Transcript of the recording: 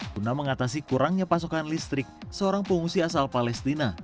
guna mengatasi kurangnya pasokan listrik seorang pengungsi asal palestina